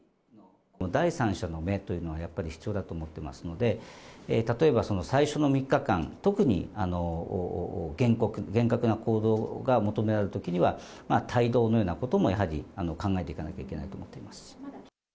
第三者の目というのは、やっぱり必要だと思ってますので、例えば最初の３日間、特に厳格な行動が求められるときには、帯同のようなこともやはり考えていかなきゃいけないと思ってます。